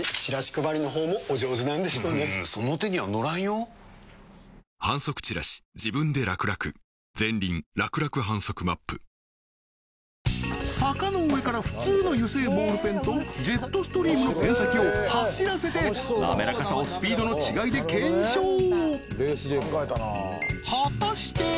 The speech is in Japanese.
ワイドも薄型坂の上から普通の油性ボールペンとジェットストリームのペン先を走らせてなめらかさをスピードの違いで検証果たして！？